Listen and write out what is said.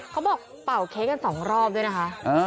เป่าเค้กกันสองรอบด้วยนะคะ